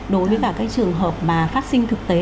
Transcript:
đối với cả các trường hợp mà phát sinh thực tế